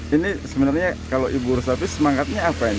ini sebenarnya kalau ibu urus api semangatnya apa ini